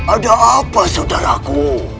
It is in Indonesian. ada apa saudaraku